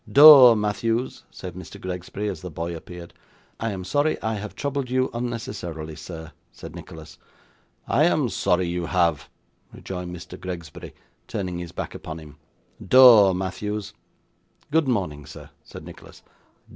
'Door, Matthews!' said Mr. Gregsbury, as the boy appeared. 'I am sorry I have troubled you unnecessarily, sir,' said Nicholas. 'I am sorry you have,' rejoined Mr. Gregsbury, turning his back upon him. 'Door, Matthews!' 'Good morning, sir,' said Nicholas.